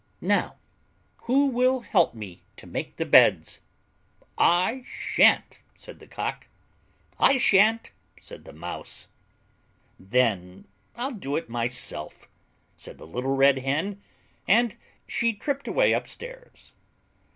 "And now, who'll help me to make the beds?" "I shan't," said the Cock. "I shan't," said the Mouse. "Then I'll do it myself," said the little Red Hen. And she tripped away upstairs.